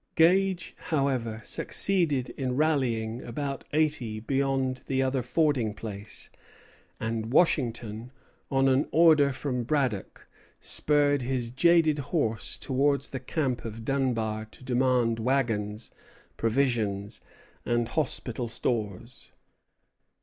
Gage, however, succeeded in rallying about eighty beyond the other fording place; and Washington, on an order from Braddock, spurred his jaded horse towards the camp of Dunbar to demand wagons, provisions, and hospital stores.